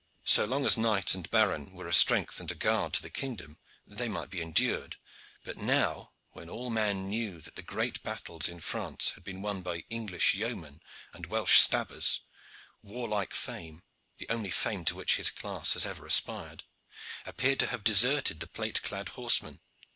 So long as knight and baron were a strength and a guard to the kingdom they might be endured, but now, when all men knew that the great battles in France had been won by English yeomen and Welsh stabbers, warlike fame, the only fame to which his class had ever aspired, appeared to have deserted the plate clad horsemen.